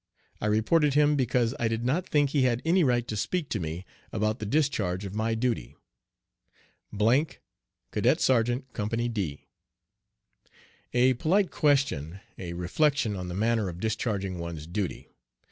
I reported him because I did not think he had any right to speak to me about the discharge of my duty. ", Cadet Sergeant Company "D." A polite question a reflection on the manner of discharging one's duty!